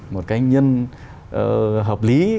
một cái nhân hợp lý